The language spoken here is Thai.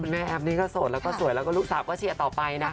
แฟนแบบของเด็กเขาก็เป็นแบบให้แบบน่ารัก